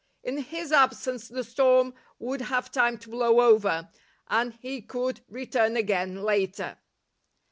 In his absence the storm would have time to blow over, and he could return again later.